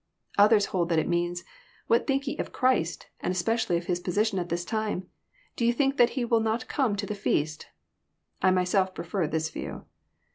" Others hold that it means, <' What think ye of Christ, and espNBcially of His position at this time ? Do yon think that He wUl not come to the feast? " I myself prefer this view.